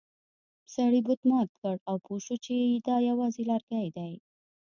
سړي بت مات کړ او پوه شو چې دا یوازې لرګی دی.